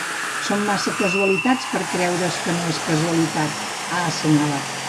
Són massa casualitats per a creure’s que no és casualitat, ha assenyalat.